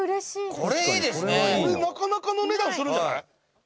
「これなかなかの値段するんじゃない？」